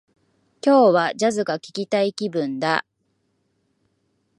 今日は、ジャズが聞きたい気分だ